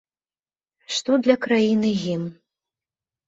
Што для краіны гімн?